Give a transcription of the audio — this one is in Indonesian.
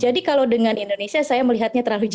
jadi kalau dengan indonesia saya melihatnya terlalu jauh lagi